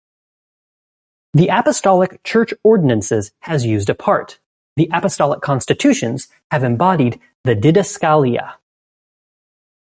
The Apostolic Church-Ordinances has used a part, the Apostolic Constitutions have embodied the "Didascalia".